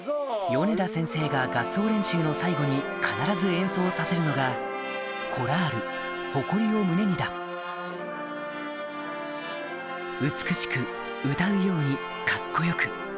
米田先生が合奏練習の最後に必ず演奏させるのがコラール「美しく歌うようにかっこよく」